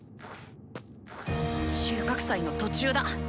収穫祭の途中だ！